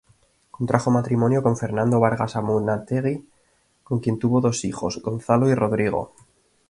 Contrajo matrimonio con Fernando Vargas Amunátegui con quien tuvo dos hijos: Gonzalo y Rodrigo.